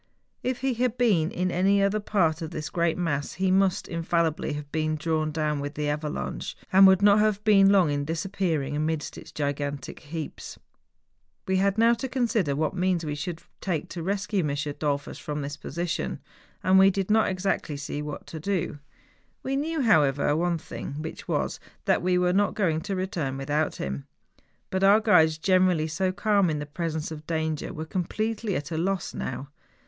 If he had been in any other part of this great mass he must infallibly have been drawn down with the avalanche, and would not have been long in disappearing amidst its gigantic heaps. We had now to consider what means we should take to rescue M. Dollfus from this position. And we did not exactly see what to do. We knew, how¬ ever, one thing, which was, that we were not going to return without him. But our guides, generally so calm in the presence of danger, were completely at a loss now.